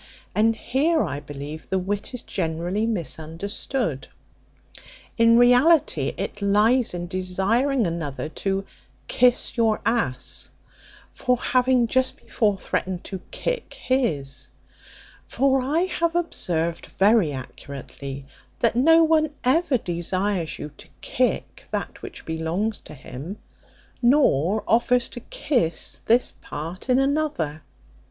And here, I believe, the wit is generally misunderstood. In reality, it lies in desiring another to kiss your a for having just before threatened to kick his; for I have observed very accurately, that no one ever desires you to kick that which belongs to himself, nor offers to kiss this part in another.